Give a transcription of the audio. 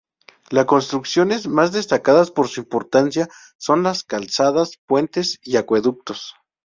Las construcciones más destacadas por su importancia son las calzadas, puentes y acueductos.